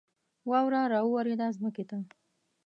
واوره را اوورېده ځمکې ته